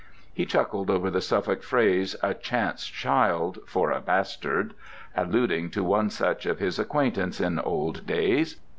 He chuckled over the Suffolk phrase 'a chance child,' for a bastard (alluding to one such of his acquaintance in old days).